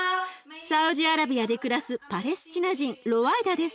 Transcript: サウジアラビアで暮らすパレスチナ人ロワイダです。